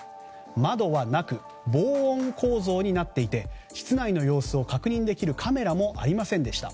窓はなく防音構造になっていて室内の様子を確認できるカメラもありませんでした。